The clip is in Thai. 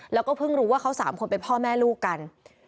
แล้วก็เพิ่งรู้ว่าเขา๓คนเป็นพ่อแม่ลูกกัน